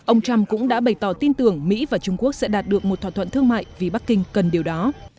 ông trump cũng đã bày tỏ tin tưởng mỹ và trung quốc sẽ đạt được một thỏa thuận thương mại vì bắc kinh cần điều đó